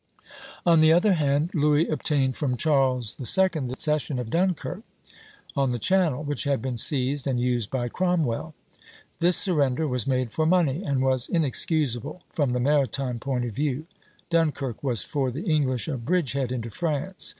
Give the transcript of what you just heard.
On the other hand, Louis obtained from Charles II. the cession of Dunkirk on the Channel, which had been seized and used by Cromwell. This surrender was made for money, and was inexcusable from the maritime point of view. Dunkirk was for the English a bridge head into France.